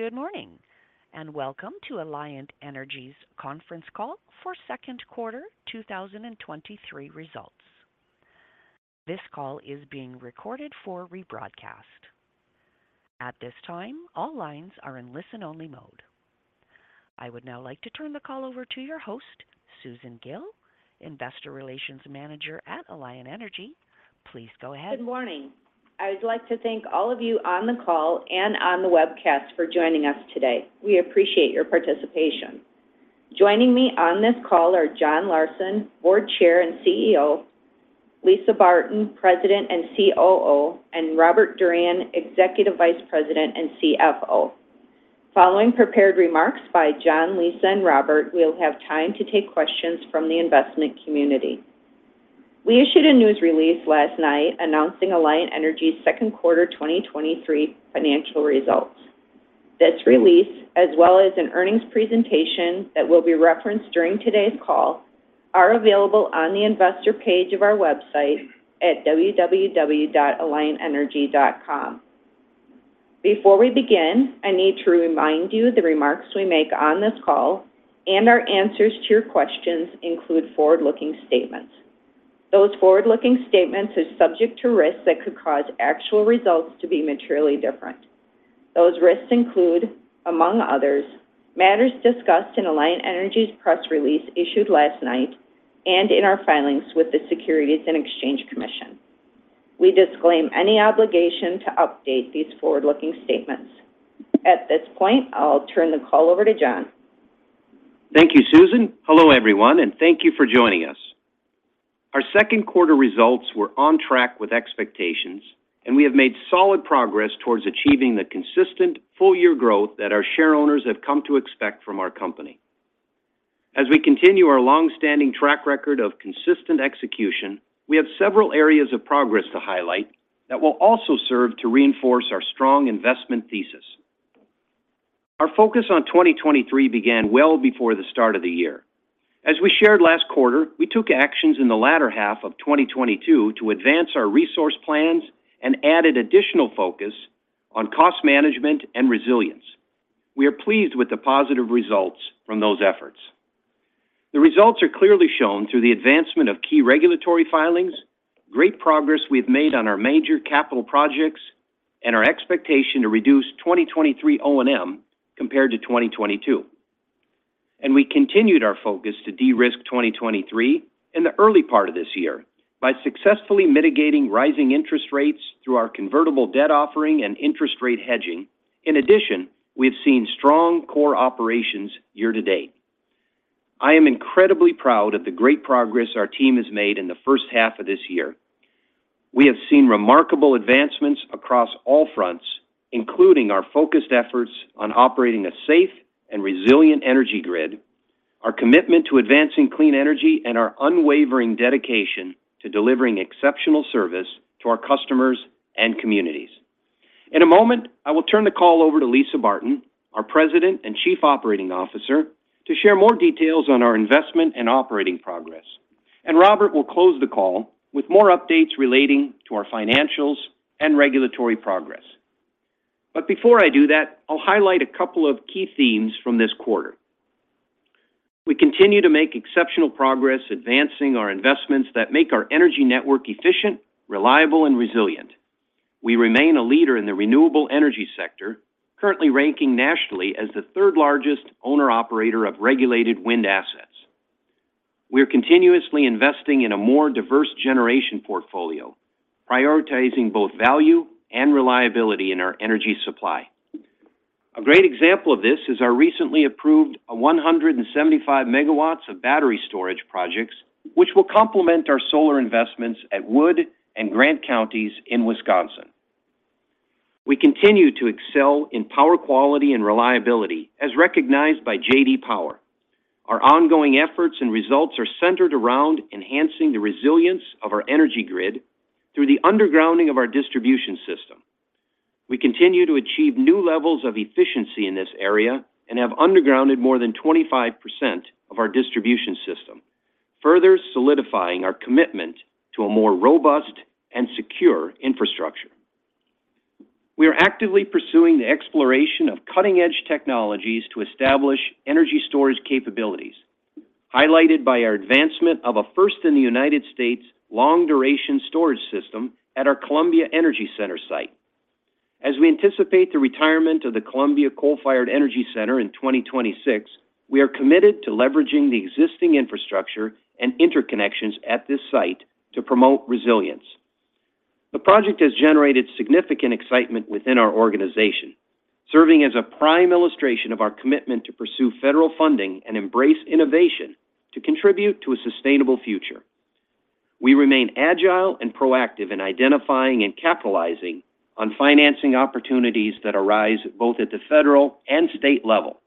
Good morning, and welcome to Alliant Energy's conference call for second quarter 2023 results. This call is being recorded for rebroadcast. At this time, all lines are in listen-only mode. I would now like to turn the call over to your host, Susan Gille, Investor Relations Manager at Alliant Energy. Please go ahead. Good morning. I would like to thank all of you on the call and on the webcast for joining us today. We appreciate your participation. Joining me on this call are John Larsen, Board Chair and CEO, Lisa Barton, President and COO, and Robert Durian, Executive Vice President and CFO. Following prepared remarks by John, Lisa, and Robert, we'll have time to take questions from the investment community. We issued a news release last night announcing Alliant Energy's second quarter 2023 financial results. This release, as well as an earnings presentation that will be referenced during today's call, are available on the investor page of our website at www.alliantenergy.com. Before we begin, I need to remind you the remarks we make on this call and our answers to your questions include forward-looking statements. Those forward-looking statements are subject to risks that could cause actual results to be materially different. Those risks include, among others, matters discussed in Alliant Energy's press release issued last night and in our filings with the Securities and Exchange Commission. We disclaim any obligation to update these forward-looking statements. At this point, I'll turn the call over to John. Thank you, Susan. Hello, everyone, and thank you for joining us. Our second quarter results were on track with expectations, and we have made solid progress towards achieving the consistent full-year growth that our shareowners have come to expect from our company. As we continue our long-standing track record of consistent execution, we have several areas of progress to highlight that will also serve to reinforce our strong investment thesis. Our focus on 2023 began well before the start of the year. As we shared last quarter, we took actions in the latter half of 2022 to advance our resource plans and added additional focus on cost management and resilience. We are pleased with the positive results from those efforts. The results are clearly shown through the advancement of key regulatory filings, great progress we've made on our major capital projects, and our expectation to reduce 2023 O&M compared to 2022. We continued our focus to de-risk 2023 in the early part of this year by successfully mitigating rising interest rates through our convertible debt offering and interest rate hedging. In addition, we have seen strong core operations year-to-date. I am incredibly proud of the great progress our team has made in the first half of this year. We have seen remarkable advancements across all fronts, including our focused efforts on operating a safe and resilient energy grid, our commitment to advancing clean energy, and our unwavering dedication to delivering exceptional service to our customers and communities. In a moment, I will turn the call over to Lisa Barton, our President and Chief Operating Officer, to share more details on our investment and operating progress. Robert will close the call with more updates relating to our financials and regulatory progress. Before I do that, I'll highlight a couple of key themes from this quarter. We continue to make exceptional progress advancing our investments that make our energy network efficient, reliable, and resilient. We remain a leader in the renewable energy sector, currently ranking nationally as the third-largest owner-operator of regulated wind assets. We are continuously investing in a more diverse generation portfolio, prioritizing both value and reliability in our energy supply. A great example of this is our recently approved 175 MW of battery storage projects, which will complement our solar investments at Wood and Grant Counties in Wisconsin. We continue to excel in power quality and reliability, as recognized by J.D. Power. Our ongoing efforts and results are centered around enhancing the resilience of our energy grid through the undergrounding of our distribution system. We continue to achieve new levels of efficiency in this area and have undergrounded more than 25% of our distribution system, further solidifying our commitment to a more robust and secure infrastructure. We are actively pursuing the exploration of cutting-edge technologies to establish energy storage capabilities, highlighted by our advancement of a first-in-the-United States long-duration storage system at our Columbia Energy Center site. As we anticipate the retirement of the Columbia Coal-Fired Energy Center in 2026, we are committed to leveraging the existing infrastructure and interconnections at this site to promote resilience. The project has generated significant excitement within our organization, serving as a prime illustration of our commitment to pursue federal funding and embrace innovation to contribute to a sustainable future. We remain agile and proactive in identifying and capitalizing on financing opportunities that arise both at the federal and state level.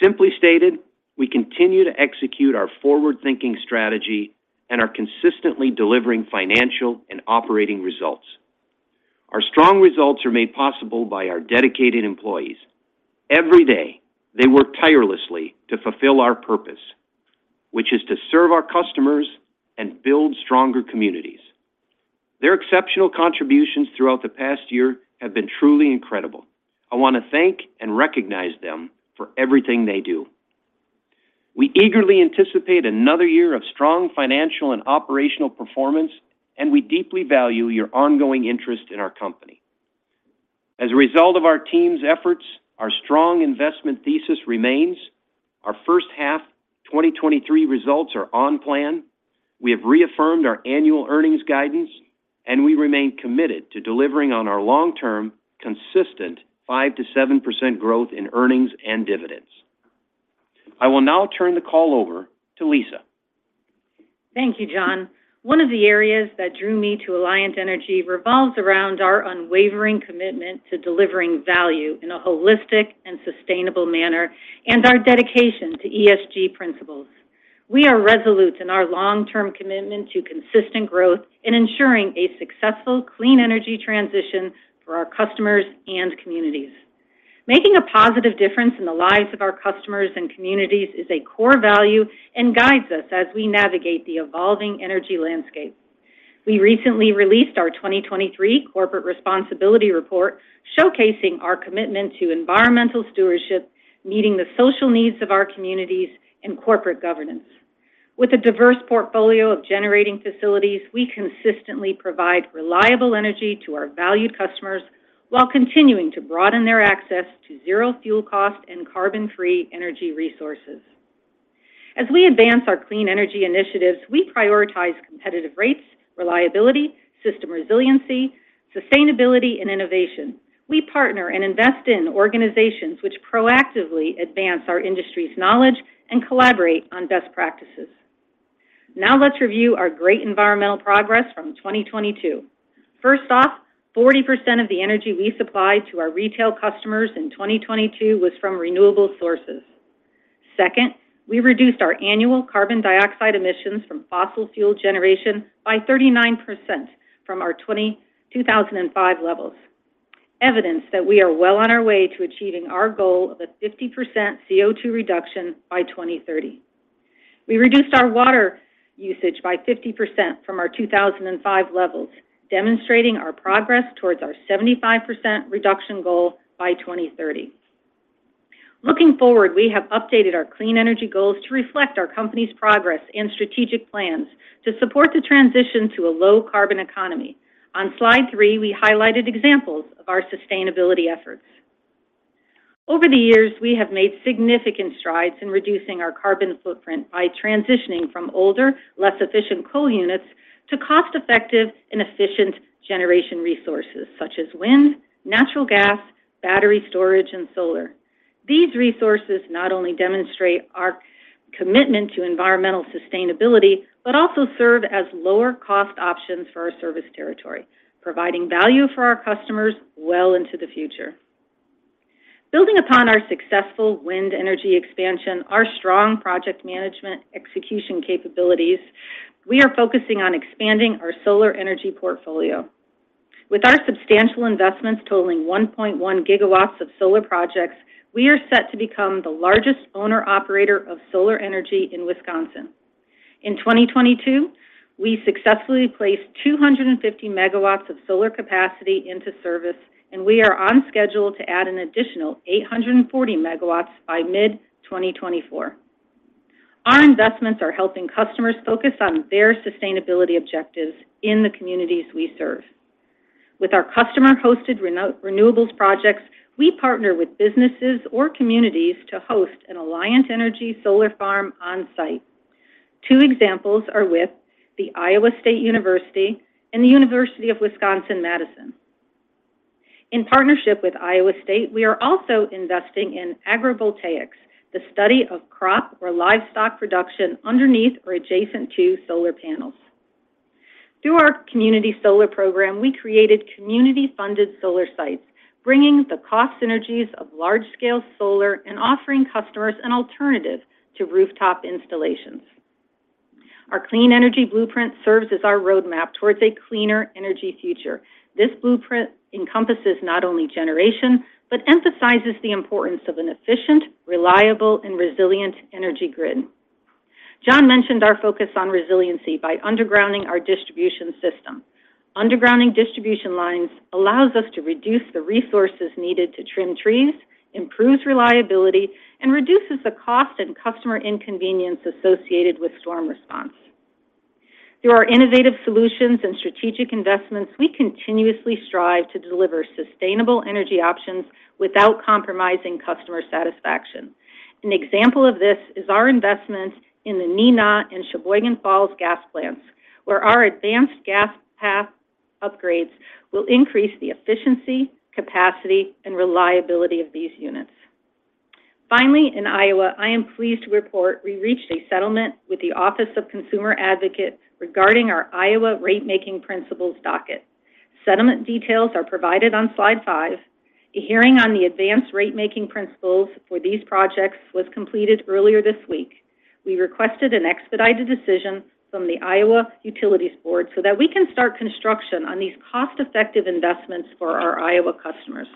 Simply stated, we continue to execute our forward-thinking strategy and are consistently delivering financial and operating results. Our strong results are made possible by our dedicated employees. Every day, they work tirelessly to fulfill our purpose: which is to serve our customers and build stronger communities. Their exceptional contributions throughout the past year have been truly incredible. I want to thank and recognize them for everything they do. We eagerly anticipate another year of strong financial and operational performance. We deeply value your ongoing interest in our company. As a result of our team's efforts, our strong investment thesis remains. Our first half 2023 results are on plan. We have reaffirmed our annual earnings guidance. We remain committed to delivering on our long-term, consistent 5%-7% growth in earnings and dividends. I will now turn the call over to Lisa. Thank you, John. One of the areas that drew me to Alliant Energy revolves around our unwavering commitment to delivering value in a holistic and sustainable manner and our dedication to ESG principles. We are resolute in our long-term commitment to consistent growth and ensuring a successful clean energy transition for our customers and communities. Making a positive difference in the lives of our customers and communities is a core value and guides us as we navigate the evolving energy landscape. We recently released our 2023 corporate responsibility report, showcasing our commitment to environmental stewardship, meeting the social needs of our communities, and corporate governance. With a diverse portfolio of generating facilities, we consistently provide reliable energy to our valued customers while continuing to broaden their access to zero fuel cost and carbon-free energy resources. As we advance our clean energy initiatives, we prioritize competitive rates, reliability, system resiliency, sustainability, and innovation. We partner and invest in organizations which proactively advance our industry's knowledge and collaborate on best practices. Now let's review our great environmental progress from 2022. First off, 40% of the energy we supplied to our retail customers in 2022 was from renewable sources. Second, we reduced our annual carbon dioxide emissions from fossil fuel generation by 39% from our 2005 levels, evidence that we are well on our way to achieving our goal of a 50% CO2 reduction by 2030. We reduced our water usage by 50% from our 2005 levels, demonstrating our progress towards our 75% reduction goal by 2030. Looking forward, we have updated our clean energy goals to reflect our company's progress and strategic plans to support the transition to a low-carbon economy. On slide three, we highlighted examples of our sustainability efforts. Over the years, we have made significant strides in reducing our carbon footprint by transitioning from older, less efficient coal units to cost-effective and efficient generation resources such as wind, natural gas, battery storage, and solar. These resources not only demonstrate our commitment to environmental sustainability, but also serve as lower-cost options for our service territory, providing value for our customers well into the future. Building upon our successful wind energy expansion, our strong project management execution capabilities, we are focusing on expanding our solar energy portfolio. With our substantial investments totaling 1.1 GW of solar projects, we are set to become the largest owner-operator of solar energy in Wisconsin. In 2022, we successfully placed 250 MW of solar capacity into service. We are on schedule to add an additional 840 MW by mid-2024. Our investments are helping customers focus on their sustainability objectives in the communities we serve. With our Customer-Hosted Renewables projects, we partner with businesses or communities to host an Alliant Energy solar farm on-site. Two examples are with the Iowa State University and the University of Wisconsin, Madison. In partnership with Iowa State, we are also investing in agrivoltaics, the study of crop or livestock production underneath or adjacent to solar panels. Through our community solar program, we created community-funded solar sites, bringing the cost synergies of large-scale solar and offering customers an alternative to rooftop installations. Our Clean Energy Blueprint serves as our roadmap towards a cleaner energy future. This blueprint encompasses not only generation, but emphasizes the importance of an efficient, reliable, and resilient energy grid. John mentioned our focus on resiliency by undergrounding our distribution system. Undergrounding distribution lines allows us to reduce the resources needed to trim trees, improves reliability, and reduces the cost and customer inconvenience associated with storm response. Through our innovative solutions and strategic investments, we continuously strive to deliver sustainable energy options without compromising customer satisfaction. An example of this is our investment in the Neenah and Sheboygan Falls gas plants, where our advanced gas path upgrades will increase the efficiency, capacity, and reliability of these units. Finally, in Iowa, I am pleased to report we reached a settlement with the Office of Consumer Advocate regarding our Iowa ratemaking principles docket. Settlement details are provided on slide five. A hearing on the advance ratemaking principles for these projects was completed earlier this week. We requested an expedited decision from the Iowa Utilities Board so that we can start construction on these cost-effective investments for our Iowa customers.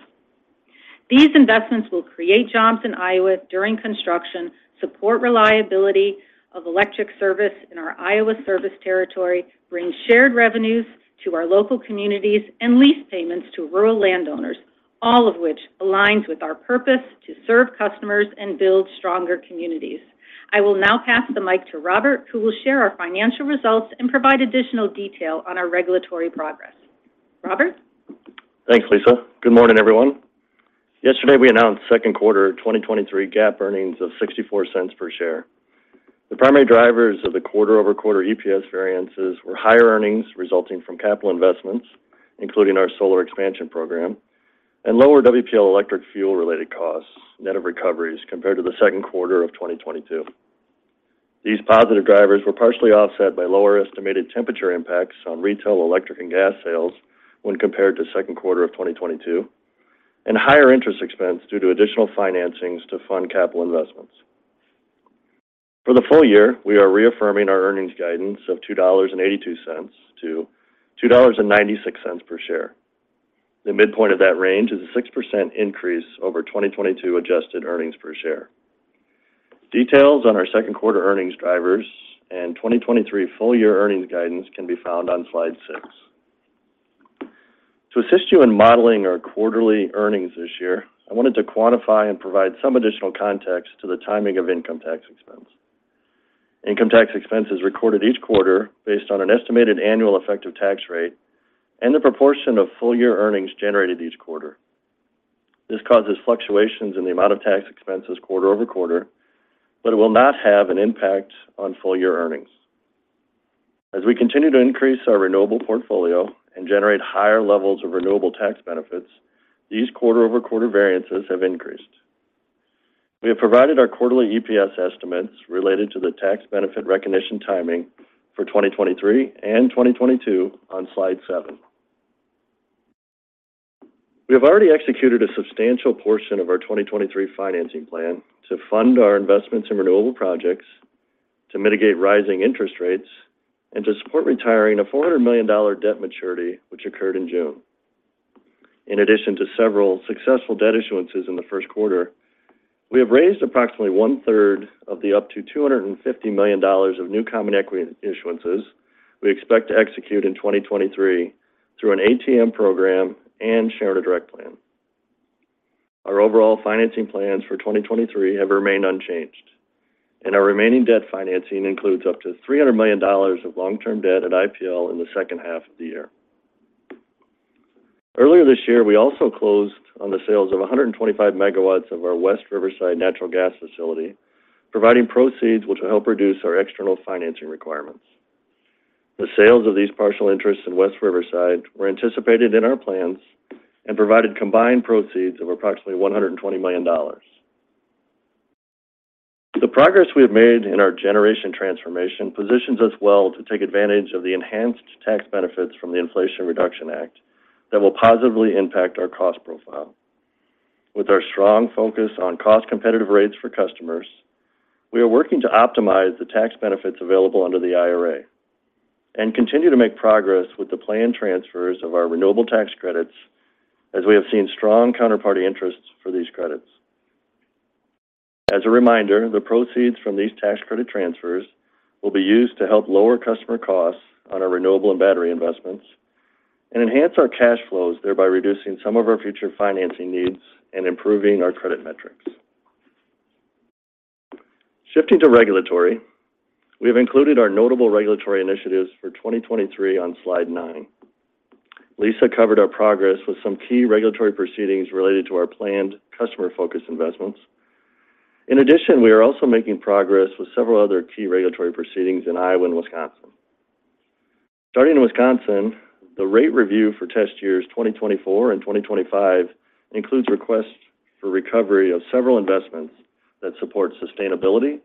These investments will create jobs in Iowa during construction, support reliability of electric service in our Iowa service territory, bring shared revenues to our local communities, and lease payments to rural landowners, all of which aligns with our purpose to serve customers and build stronger communities. I will now pass the mic to Robert, who will share our financial results and provide additional detail on our regulatory progress. Robert? Thanks, Lisa. Good morning, everyone. Yesterday, we announced second quarter 2023 GAAP earnings of $0.64 per share. The primary drivers of the quarter-over-quarter EPS variances were higher earnings resulting from capital investments, including our solar expansion program, and lower WPL electric fuel-related costs, net of recoveries, compared to the second quarter of 2022. These positive drivers were partially offset by lower estimated temperature impacts on retail, electric, and gas sales when compared to second quarter of 2022, and higher interest expense due to additional financings to fund capital investments. For the full year, we are reaffirming our earnings guidance of $2.82-$2.96 per share. The midpoint of that range is a 6% increase over 2022 adjusted earnings per share. Details on our second quarter earnings drivers and 2023 full year earnings guidance can be found on slide six. To assist you in modeling our quarterly earnings this year, I wanted to quantify and provide some additional context to the timing of income tax expense. Income tax expense is recorded each quarter based on an estimated annual effective tax rate and the proportion of full-year earnings generated each quarter. This causes fluctuations in the amount of tax expenses quarter-over-quarter, but it will not have an impact on full-year earnings. As we continue to increase our renewable portfolio and generate higher levels of renewable tax benefits, these quarter-over-quarter variances have increased. We have provided our quarterly EPS estimates related to the tax benefit recognition timing for 2023 and 2022 on slide seven. We have already executed a substantial portion of our 2023 financing plan to fund our investments in renewable projects, to mitigate rising interest rates, and to support retiring a $400 million debt maturity, which occurred in June. In addition to several successful debt issuances in the first quarter, we have raised approximately 1/3 of the up to $250 million of new common equity issuances we expect to execute in 2023 through an ATM program and Shareowner Direct Plan. Our overall financing plans for 2023 have remained unchanged, and our remaining debt financing includes up to $300 million of long-term debt at IPL in the second half of the year. Earlier this year, we also closed on the sales of 125 MW of our West Riverside natural gas facility, providing proceeds which will help reduce our external financing requirements. The sales of these partial interests in West Riverside were anticipated in our plans and provided combined proceeds of approximately $120 million. The progress we have made in our generation transformation positions us well to take advantage of the enhanced tax benefits from the Inflation Reduction Act that will positively impact our cost profile. With our strong focus on cost-competitive rates for customers, we are working to optimize the tax benefits available under the IRA and continue to make progress with the planned transfers of our renewable tax credits, as we have seen strong counterparty interests for these credits. As a reminder, the proceeds from these tax credit transfers will be used to help lower customer costs on our renewable and battery investments and enhance our cash flows, thereby reducing some of our future financing needs and improving our credit metrics. Shifting to regulatory, we have included our notable regulatory initiatives for 2023 on slide nine. Lisa covered our progress with some key regulatory proceedings related to our planned customer-focused investments. In addition, we are also making progress with several other key regulatory proceedings in Iowa and Wisconsin. Starting in Wisconsin, the rate review for test years 2024 and 2025 includes requests for recovery of several investments that support sustainability,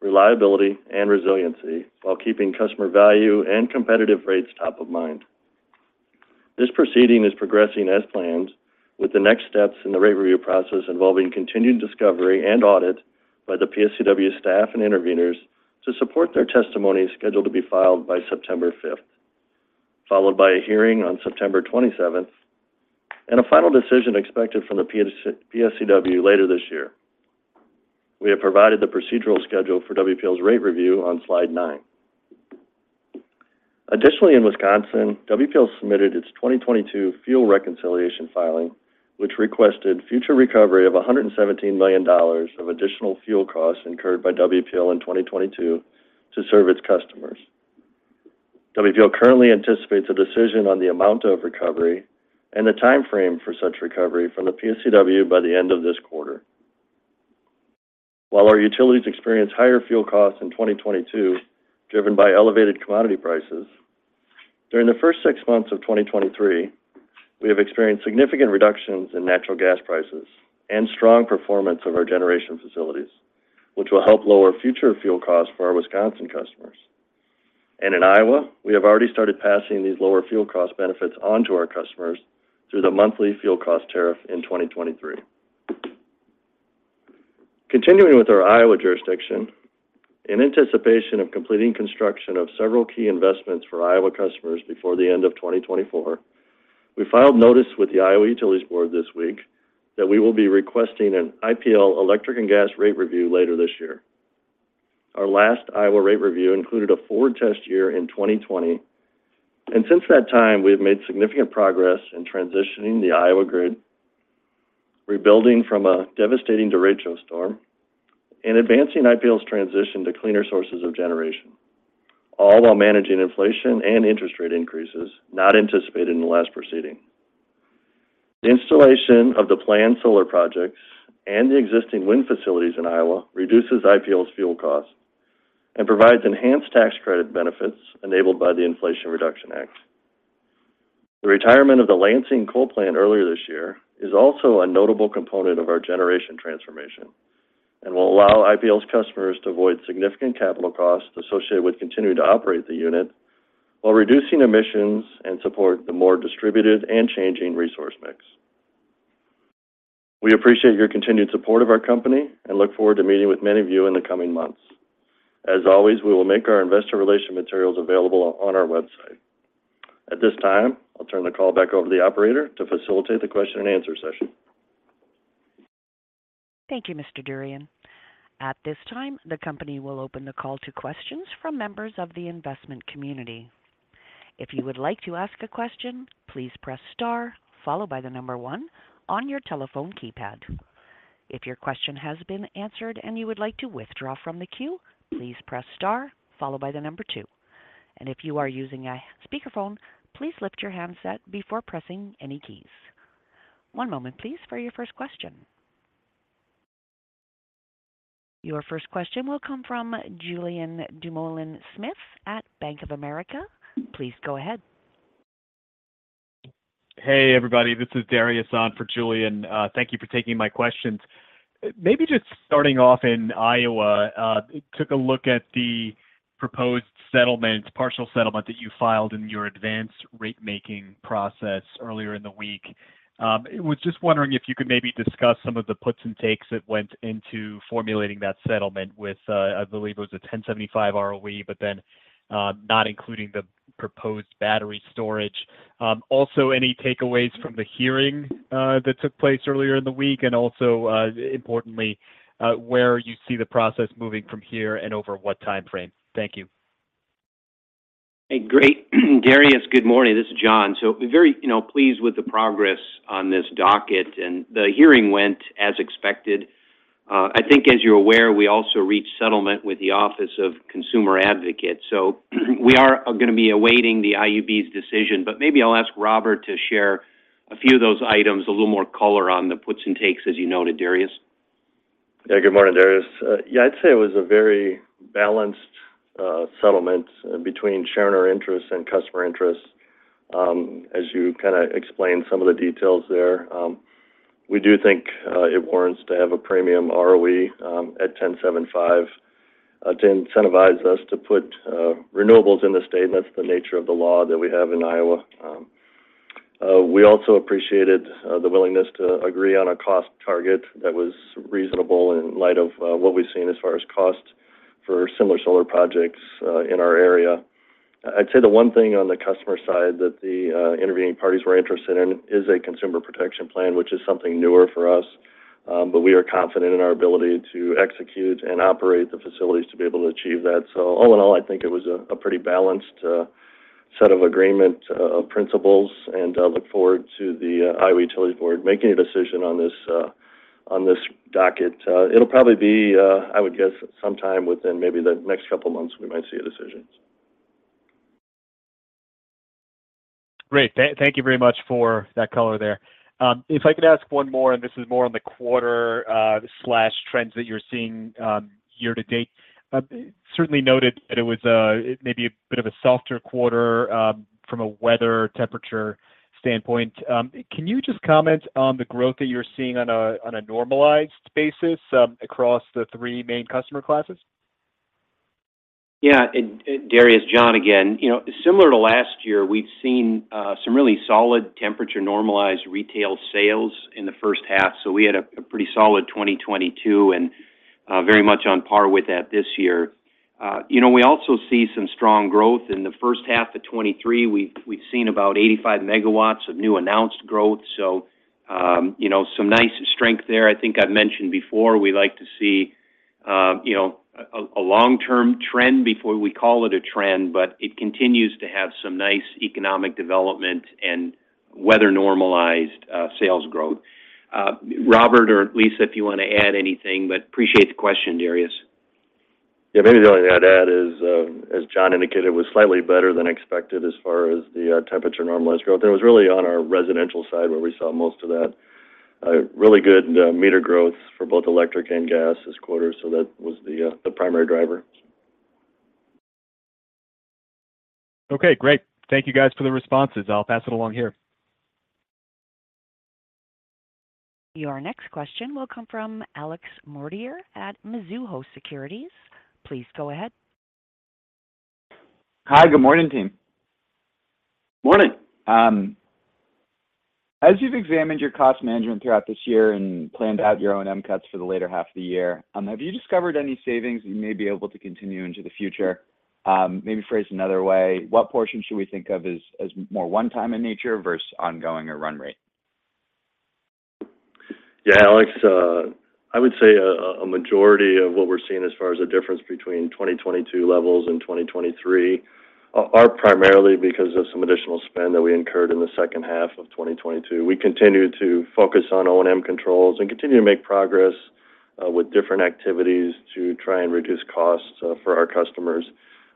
reliability, and resiliency while keeping customer value and competitive rates top of mind. This proceeding is progressing as planned, with the next steps in the rate review process involving continued discovery and audit by the PSCW staff and interveners to support their testimony, scheduled to be filed by September 5th, followed by a hearing on September 27th, and a final decision expected from the PSCW later this year. We have provided the procedural schedule for WPL's rate review on slide nine. In Wisconsin, WPL submitted its 2022 fuel reconciliation filing, which requested future recovery of $117 million of additional fuel costs incurred by WPL in 2022 to serve its customers. WPL currently anticipates a decision on the amount of recovery and the time frame for such recovery from the PSCW by the end of this quarter. While our utilities experienced higher fuel costs in 2022, driven by elevated commodity prices, during the first six months of 2023, we have experienced significant reductions in natural gas prices and strong performance of our generation facilities, which will help lower future fuel costs for our Wisconsin customers. In Iowa, we have already started passing these lower fuel cost benefits on to our customers through the monthly fuel cost tariff in 2023. Continuing with our Iowa jurisdiction, in anticipation of completing construction of several key investments for Iowa customers before the end of 2024, we filed notice with the Iowa Utilities Board this week that we will be requesting an IPL electric and gas rate review later this year. Our last Iowa rate review included a forward test year in 2020, and since that time, we've made significant progress in transitioning the Iowa grid, rebuilding from a devastating derecho storm, and advancing IPL's transition to cleaner sources of generation, all while managing inflation and interest rate increases not anticipated in the last proceeding. The installation of the planned solar projects and the existing wind facilities in Iowa reduces IPL's fuel costs and provides enhanced tax credit benefits enabled by the Inflation Reduction Act. The retirement of the Lansing coal plant earlier this year is also a notable component of our generation transformation and will allow IPL's customers to avoid significant capital costs associated with continuing to operate the unit, while reducing emissions and support the more distributed and changing resource mix. We appreciate your continued support of our company and look forward to meeting with many of you in the coming months. As always, we will make our investor relation materials available on our website. At this time, I'll turn the call back over to the operator to facilitate the question and answer session. Thank you, Mr. Durian. At this time, the company will open the call to questions from members of the investment community. If you would like to ask a question, please press star followed by the number one on your telephone keypad. If your question has been answered and you would like to withdraw from the queue, please press star followed by the number two. If you are using a speakerphone, please lift your handset before pressing any keys. One moment, please, for your first question. Your first question will come from Julien Dumoulin-Smith at Bank of America. Please go ahead. Hey, everybody, this is Dariusz on for Julien. Thank you for taking my questions. Maybe just starting off in Iowa, took a look at the proposed settlement, partial settlement that you filed in your advanced ratemaking process earlier in the week. Was just wondering if you could maybe discuss some of the puts and takes that went into formulating that settlement with, I believe it was a 10.75% ROE, but then, not including the proposed battery storage. Also, any takeaways from the hearing that took place earlier in the week, and also, importantly, where you see the process moving from here and over what time frame? Thank you. Hey, great. Dariusz, good morning. This is John. Very, you know, pleased with the progress on this docket, and the hearing went as expected. I think as you're aware, we also reached settlement with the Office of Consumer Advocate. We are going to be awaiting the IUB's decision, but maybe I'll ask Robert to share a few of those items, a little more color on the puts and takes, as you noted, Dariusz. Yeah. Good morning, Dariusz. Yeah, I'd say it was a very balanced settlement between sharing our interests and customer interests. As you kinda explained some of the details there, we do think it warrants to have a premium ROE at 10.75% to incentivize us to put renewables in the state, and that's the nature of the law that we have in Iowa. We also appreciated the willingness to agree on a cost target that was reasonable in light of what we've seen as far as costs for similar solar projects in our area. I'd say the one thing on the customer side that the intervening parties were interested in is a consumer protection plan, which is something newer for us, but we are confident in our ability to execute and operate the facilities to be able to achieve that. All in all, I think it was a pretty balanced set of agreement of principles, and I look forward to the Iowa Utilities Board making a decision on this on this docket. It'll probably be, I would guess, sometime within maybe the next couple of months, we might see a decision. Great. Thank, thank you very much for that color there. If I could ask one more, this is more on the quarter, slash trends that you're seeing, year-to-date. Certainly noted that it was maybe a bit of a softer quarter, from a weather, temperature standpoint. Can you just comment on the growth that you're seeing on a, on a normalized basis, across the three main customer classes? Yeah, Darius, John again. You know, similar to last year, we've seen some really solid temperature-normalized retail sales in the first half, so we had a pretty solid 2022 and very much on par with that this year. You know, we also see some strong growth in the first half of 2023. We've seen about 85 MW of new announced growth, so, you know, some nice strength there. I think I've mentioned before, we like to see, you know, a long-term trend before we call it a trend, but it continues to have some nice economic development and weather-normalized sales growth. Robert or Lisa, if you want to add anything, appreciate the question, Dariusz. Yeah, maybe the only thing I'd add is, as John indicated, it was slightly better than expected as far as the temperature-normalized growth. It was really on our residential side where we saw most of that really good meter growth for both electric and gas this quarter. That was the primary driver. Okay, great. Thank you guys for the responses. I'll pass it along here. Your next question will come from Alex Mortimer at Mizuho Securities. Please go ahead. Hi, good morning, team. Morning! As you've examined your cost management throughout this year and planned out your O&M cuts for the later half of the year, have you discovered any savings you may be able to continue into the future? Maybe phrased another way, what portion should we think of as, as more one-time in nature versus ongoing or run rate? Yeah, Alex, I would say a, a majority of what we're seeing as far as the difference between 2022 levels and 2023 are, are primarily because of some additional spend that we incurred in the second half of 2022. We continue to focus on O&M controls and continue to make progress with different activities to try and reduce costs for our customers.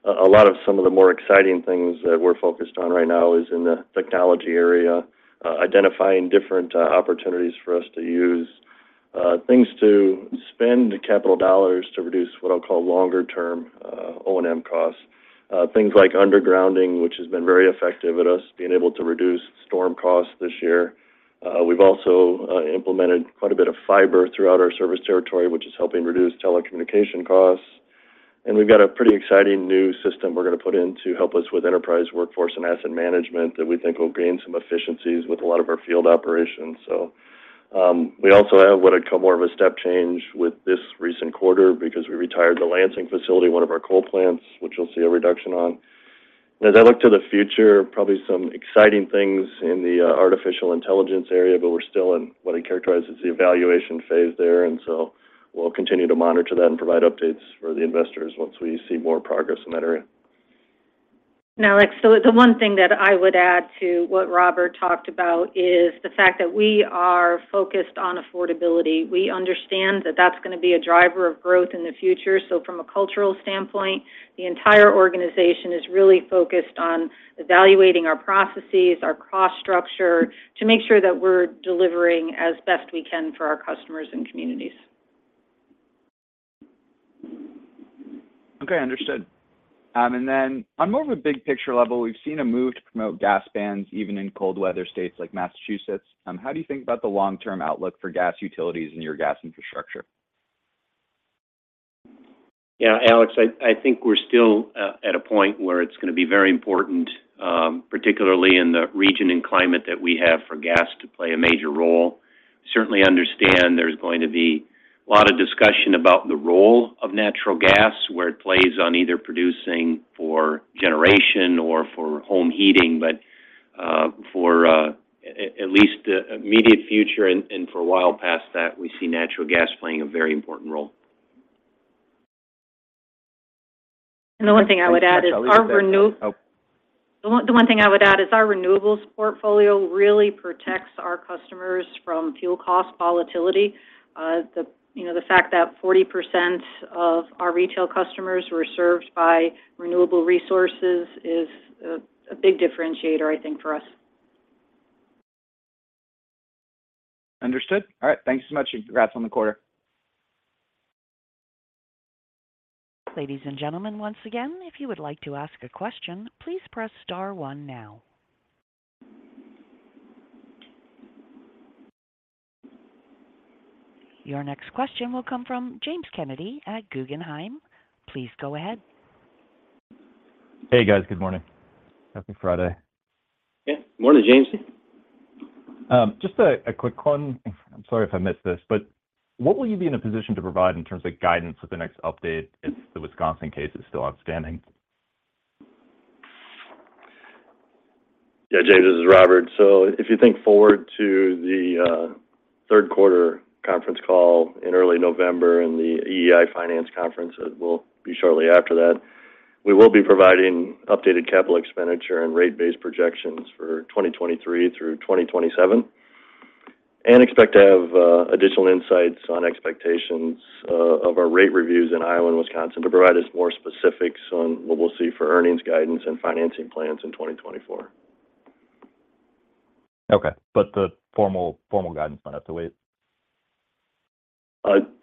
A lot of some of the more exciting things that we're focused on right now is in the technology area, identifying different opportunities for us to use things to spend capital dollars to reduce what I'll call longer-term O&M costs. Things like undergrounding, which has been very effective at us being able to reduce storm costs this year. We've also implemented quite a bit of fiber throughout our service territory, which is helping reduce telecommunication costs. We've got a pretty exciting new system we're going to put in to help us with enterprise workforce and asset management that we think will gain some efficiencies with a lot of our field operations. We also have what I'd call more of a step change with this recent quarter because we retired the Lansing facility, one of our coal plants, which you'll see a reduction on. As I look to the future, probably some exciting things in the artificial intelligence area, but we're still in what I characterize as the evaluation phase there, we'll continue to monitor that and provide updates for the investors once we see more progress in that area. Alex, so the one thing that I would add to what Robert talked about is the fact that we are focused on affordability. We understand that that's going to be a driver of growth in the future. From a cultural standpoint, the entire organization is really focused on evaluating our processes, our cost structure, to make sure that we're delivering as best we can for our customers and communities. Okay, understood. Then on more of a big picture level, we've seen a move to promote gas bans, even in cold weather states like Massachusetts. How do you think about the long-term outlook for gas utilities and your gas infrastructure? Yeah, Alex, I, I think we're still at a point where it's going to be very important, particularly in the region and climate that we have, for gas to play a major role. Certainly understand there's going to be a lot of discussion about the role of natural gas, where it plays on either producing for generation or for home heating. For, at least the immediate future and, for a while past that, we see natural gas playing a very important role. The one thing I would add is our renew-. Oh. The one, the one thing I would add is our renewables portfolio really protects our customers from fuel cost volatility. You know, the fact that 40% of our retail customers were served by renewable resources is a, a big differentiator, I think, for us. Understood. All right, thank you so much. Congrats on the quarter. Ladies and gentlemen, once again, if you would like to ask a question, please press star one now. Your next question will come from James Kennedy at Guggenheim. Please go ahead. Hey, guys. Good morning. Happy Friday. Yeah. Morning, James. Just a quick one. I'm sorry if I missed this, but what will you be in a position to provide in terms of guidance with the next update, if the Wisconsin case is still outstanding? Yeah, James, this is Robert. If you think forward to the third quarter conference call in early November and the EEI Financial Conference, it will be shortly after that, we will be providing updated capital expenditure and rate-based projections for 2023-2027, and expect to have additional insights on expectations of our rate reviews in Iowa and Wisconsin to provide us more specifics on what we'll see for earnings guidance and financing plans in 2024. Okay. The formal, formal guidance might have to wait?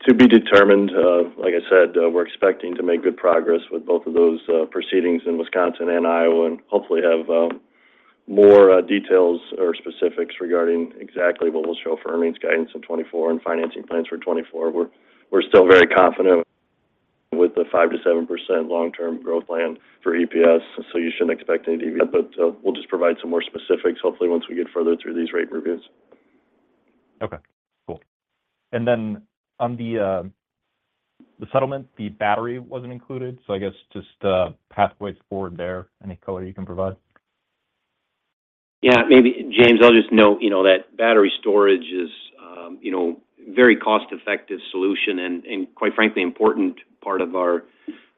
To be determined. Like I said, we're expecting to make good progress with both of those proceedings in Wisconsin and Iowa, and hopefully have more details or specifics regarding exactly what we'll show for earnings guidance in 2024 and financing plans for 2024. We're still very confident with the 5%-7% long-term growth plan for EPS, so you shouldn't expect any. We'll just provide some more specifics, hopefully, once we get further through these rate reviews. Okay, cool. On the, the settlement, the battery wasn't included. I guess just the pathways forward there, any color you can provide? Yeah, maybe, James, I'll just note, you know, that battery storage is, you know, very cost-effective solution and, and quite frankly, important part of our,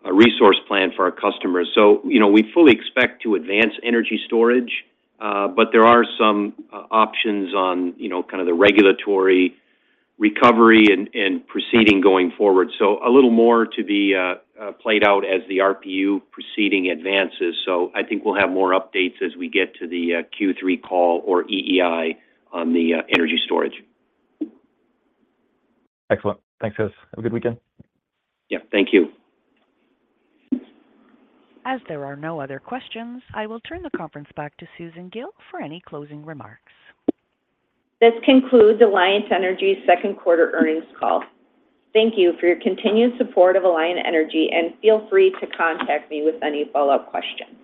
our resource plan for our customers. You know, we fully expect to advance energy storage, but there are some options on, you know, kind of the regulatory recovery and, and proceeding going forward. A little more to be played out as the RPU proceeding advances. I think we'll have more updates as we get to the Q3 call or EEI on the energy storage. Excellent. Thanks, guys. Have a good weekend. Yeah, thank you. As there are no other questions, I will turn the conference back to Susan Gille for any closing remarks. This concludes Alliant Energy's second quarter earnings call. Thank you for your continued support of Alliant Energy, and feel free to contact me with any follow-up questions.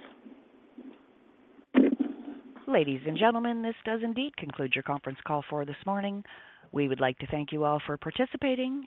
Ladies and gentlemen, this does indeed conclude your conference call for this morning. We would like to thank you all for participating.